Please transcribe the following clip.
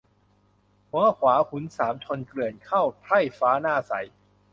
หัวขวาขุนสามชนเกลื่อนเข้า ไพร่ฟ้าหน้าใส